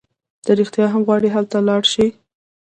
ته رېښتیا هم غواړي هلته ولاړه شې؟